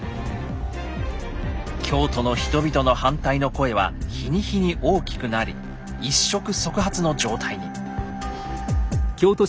京都の人々の反対の声は日に日に大きくなり一触即発の状態に。